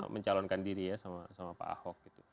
mencalonkan diri ya sama pak ahok gitu